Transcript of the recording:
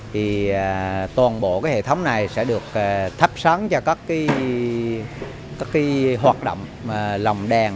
thì toàn bộ cái hệ thống này sẽ được thắp sáng cho các cái hoạt động lồng đèn